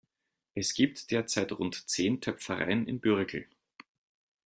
Es gibt derzeit rund zehn Töpfereien in Bürgel.